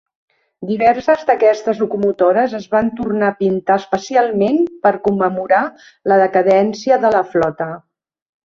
Diverses d'aquestes locomotores es van tornar a pintar especialment per commemorar la decadència de la flota.